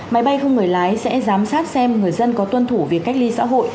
máy bay không người lái sẽ giám sát xem người dân có tuân thủ việc cách ly xã hội